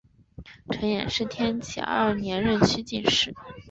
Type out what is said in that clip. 陈演是天启二年壬戌进士。